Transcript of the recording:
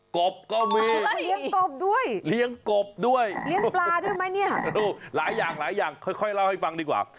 กบก็มีเลี้ยงกบด้วยเลี้ยงปลาด้วยหลายอย่างค่อยเล่าให้ฟังดีกว่า